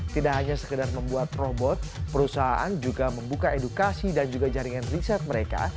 tidak hanya sekedar membuat robot perusahaan juga membuka edukasi dan juga jaringan riset mereka